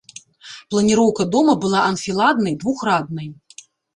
Планіроўка дома была анфіладнай двухраднай.